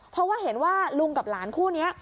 เพราะว่าเห็นว่าลุงกับหลานคู่นี้